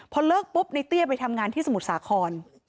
พอเลิกปุ๊บในเตี้ยไปทำงานที่สมุทรสาคร